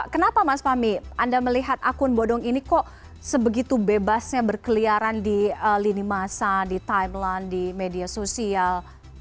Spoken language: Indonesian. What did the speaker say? kenapa mas fahmi anda melihat akun bodong ini kok sebegitu bebasnya berkeliaran di lini masa di timeline di media sosial